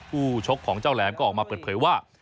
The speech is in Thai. ชกของเจ้าแหลมก็ออกมาเปิดเผยว่า